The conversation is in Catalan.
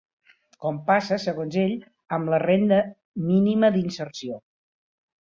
Com passa, segons ell, amb la renda mínima d’inserció.